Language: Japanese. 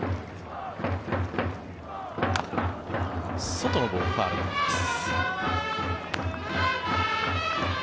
外のボールファウルになります。